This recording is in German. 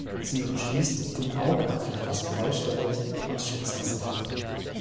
Sie umschließt den Augapfel fast vollständig und schützt das Auge.